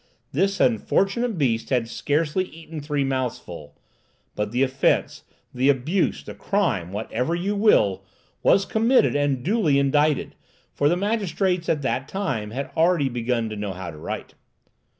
This unfortunate beast had scarcely eaten three mouthfuls; but the offence, the abuse, the crime—whatever you will—was committed and duly indicted, for the magistrates, at that time, had already begun to know how to write.